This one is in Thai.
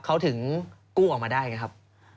เขาถึงกู้ออกมาได้ไงครับ